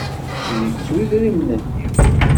Yettu idrimen-nni.